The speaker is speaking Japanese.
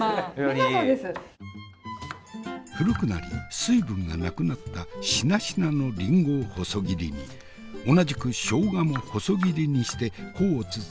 古くなり水分がなくなったしなしなのリンゴを細切りに同じくしょうがも細切りにして甲乙つけ難くしてしまえ。